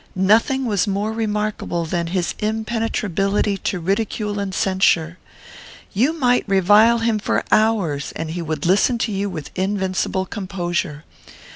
Nothing was more remarkable than his impenetrability to ridicule and censure. You might revile him for hours, and he would listen to you with invincible composure.